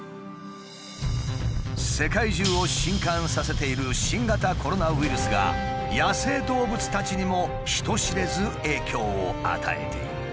世界中を震撼させている新型コロナウイルスが野生動物たちにも人知れず影響を与えている。